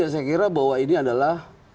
saya kira bahwa ini adalah